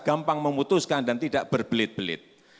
gampang memutuskan dan tidak berbelit belit